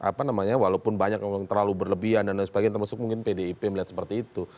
apa namanya walaupun banyak yang terlalu berlebihan dan lain sebagainya termasuk mungkin pdip melihat seperti itu